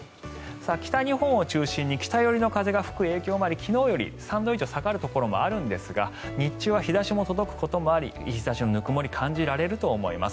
北日本を中心に北寄りの風が吹く影響もあり昨日より３度以上下がるところもあるんですが日中は日差しが届くこともあり日差しのぬくもりを感じられると思います。